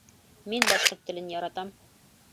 Мин башҡорт телен яратам